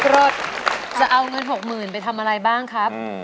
รถจะเอาเงิน๖๐๐๐ไปทำอะไรบ้างครับ